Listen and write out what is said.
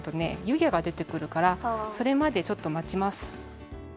ゆげがでてくるからそれまでちょっとまちます。